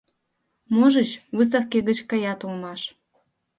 Можыч, выставке гыч каят улмаш.